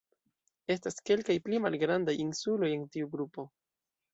Estas kelkaj pli malgrandaj insuloj en tiu grupo.